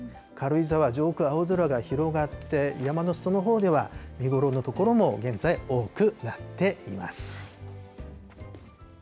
軽井沢、上空、青空が広がって、山のすそ野のほうでは見頃の所も現在、多くなっています。